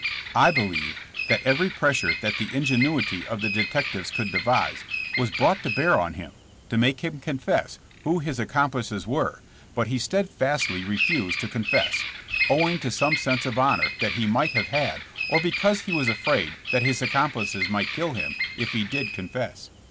I believe that every pressure that the ingenuity of the detectives could devise was brought to bear on him to make him confess who his 13$ JKSSS JAMKS. accomplices were, but he steadfaatly refused to con fess, owing to some sense of honor that he might have had or because he was afraid that his accom plices might kill him if he did confess.